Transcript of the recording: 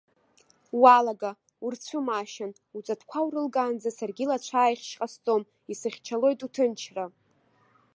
Уалага, урцәымаашьан, уҵатәқәа урылгаанӡа саргьы лацәааихьшь ҟасҵом, исыхьчалоит уҭынчра!